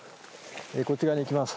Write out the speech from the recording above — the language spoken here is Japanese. こちら側に行きます。